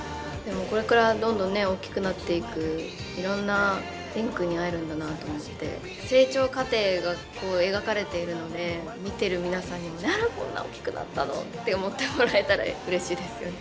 これからどんどん大きくなっていくいろんな蓮くんに会えるんだなと思って成長過程がこう描かれているので見てる皆さんにもこんな大きくなったのって思ってもらえたらうれしいですよね。